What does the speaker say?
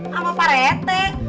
sama pak reteng